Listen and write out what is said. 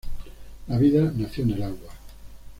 La vida nació en el agua.